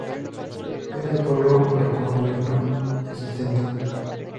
Era el pueblo precolombino existente.